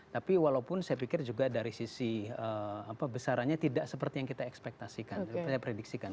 tapi walaupun saya pikir juga dari sisi besarannya tidak seperti yang kita ekspektasikan kita prediksikan